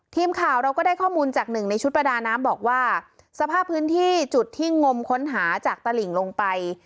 ทีมข่าวเราก็ได้ข้อมูลจากหนึ่งในชุดประดาน้ำบอกว่าสภาพพื้นที่จุดที่งมค้นหาจากตลิ่งลงไป